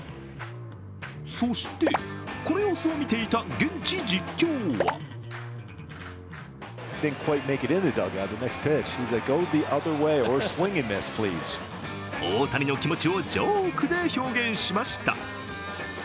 そして、この様子を見ていた現地実況は大谷の気持ちをジョークで表現しました。